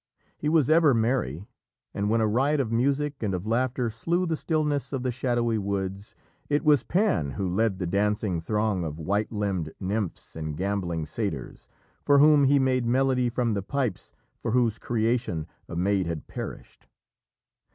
He was ever merry, and when a riot of music and of laughter slew the stillness of the shadowy woods, it was Pan who led the dancing throng of white limbed nymphs and gambolling satyrs, for whom he made melody from the pipes for whose creation a maid had perished.